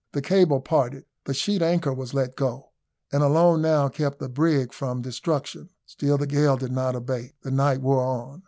The cable parted. The sheet anchor was let go, and alone now kept the brig from destruction. Still the gale did not abate. The night wore on.